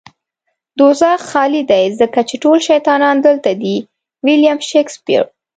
دوزخ خالی دی ځکه چې ټول شيطانان دلته دي. ويلييم شکسپير